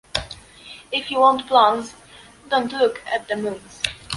If you want plums, don’t look at the moons.